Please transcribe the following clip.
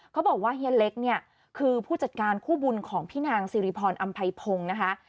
เขาบอกว่าเฮียเล็กเนี่ยคือผู้จัดการคู่บุญของพี่นางสิริพรอำไพพงศ์นะคะ